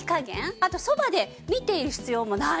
あとそばで見ている必要もないんですね。